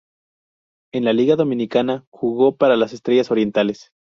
En la Liga Dominicana, jugó para las Estrellas Orientales.